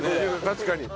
確かに。